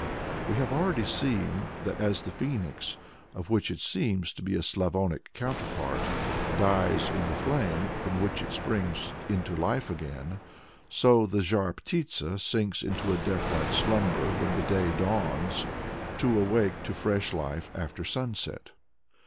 We have already seen that, as the Phœnix, of which it seems to be a Slavonic counterpart, dies in the flame from which it springs again into life, so the Zhar Ptitsa sinks into a death like slumber when the day dawns, to awake to fresh life after the sunset.